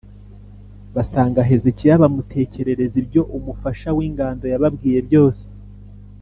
basanga Hezekiya, bamutekerereza ibyo umufasha w’ingando yababwiye byose.